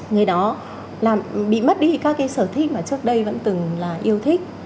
người đó là bị mất đi các cái sở thích mà trước đây vẫn từng là yêu thích